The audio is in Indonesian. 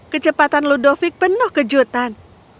kecepatan ludovic penuh kejutan